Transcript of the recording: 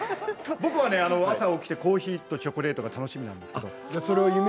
僕は朝起きてコーヒーとチョコレートが楽しみなんですけど。